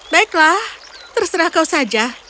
baiklah terserah kau saja